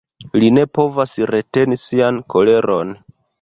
Li ne povas reteni sian koleron.